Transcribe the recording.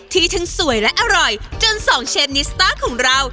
ที่ทั้งสวยและอร่อยจนสองเชฟนิสต้าของเรา